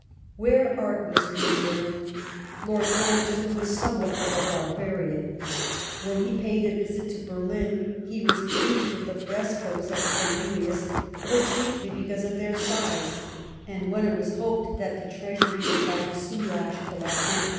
""^ Where art was con cerned Lord Palmerston was somewhat of a barbarian. When he paid a visit to Berlin, he was pleased with the frescoes of Cornelius, but chiefly because of their size ; and when it was hoped that the Treasury would buy the Soulages collection.